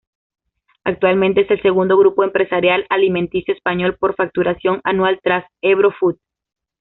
Actualmente es el segundo grupo empresarial alimenticio español por facturación anual tras Ebro Foods.